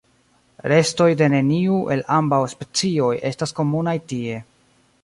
Restoj de neniu el ambaŭ specioj estas komunaj tie.